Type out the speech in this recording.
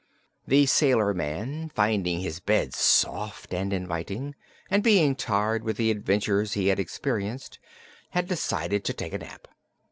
The sailor man, finding his bed soft and inviting, and being tired with the adventures he had experienced, had decided to take a nap.